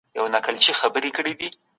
ميرويس خان نيکه څوک و؟